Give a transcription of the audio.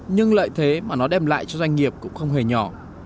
nhưng lợi thế mà nó đem lại cho doanh nghiệp cũng không hề nhỏ